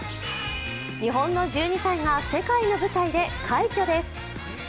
日本の１２歳が世界の舞台で快挙です。